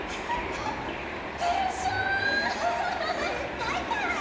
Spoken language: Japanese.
すっごいかわいい！